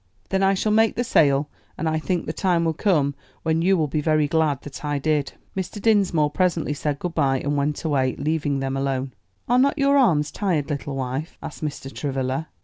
"Then I shall make the sale; and I think the time will come when you will be very glad that I did." Mr. Dinsmore presently said good bye and went away, leaving them alone. "Are not your arms tired, little wife?" asked Mr. Travilla.